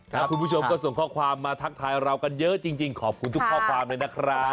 แล้วคุณผู้ชมก็ส่งข้อความมาทักทายเรากันเยอะจริงขอบคุณทุกข้อความเลยนะครับ